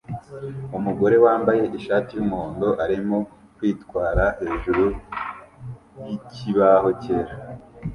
Umugore wambaye ishati yumuhondo arimo kwitwara hejuru yikibaho cyera